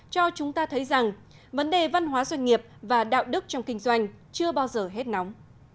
cho chúng ta thấy rằng vấn đề văn hóa doanh nghiệp và đạo đức trong kinh doanh chưa bao giờ hết nóng